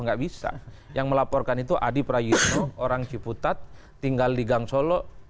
nggak bisa yang melaporkan itu adi prayitno orang ciputat tinggal di gang solo